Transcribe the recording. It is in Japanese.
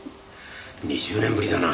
２０年ぶりだな。